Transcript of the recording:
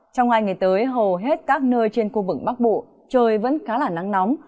trong hai ngày tới hầu hết các nơi trên khu vực bắc bộ trời vẫn khá là nắng nóng